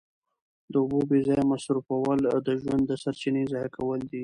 د اوبو بې ځایه مصرفول د ژوند د سرچینې ضایع کول دي.